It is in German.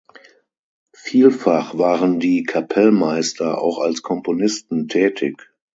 Vielfach waren die Kapellmeister auch als Komponisten tätig.